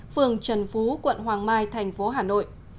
phường trần phú quận hoàng mai thành phố hà nội